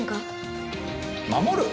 守る！？